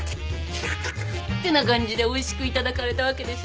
ってな感じでおいしくいただかれたわけでしょ？